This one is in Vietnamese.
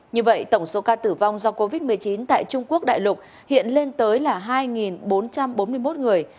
như vậy tổng số ca tử vong do covid một mươi chín tại trung quốc đại lục hiện lên tới là hai bốn trăm bốn mươi một người